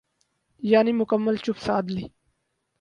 یعنی مکمل چپ سادھ لی۔